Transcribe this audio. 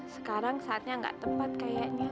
sekarang saatnya nggak tepat kayaknya